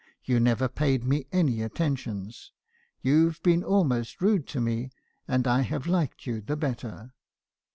You never paid me any atten tions. You 've been almost rude to me ; and I have liked you the better.